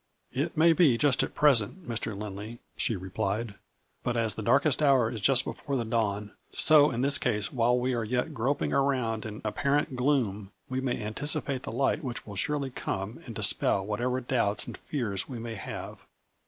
" It may be, just at present, Mr. Lindley," she replied, "but, as ' the darkest hour is just before the dawn,' so in this case, while we are yet groping around in apparent gloom, we may anticipate the light which will surely come and dispel whatever doubts and fears we may have.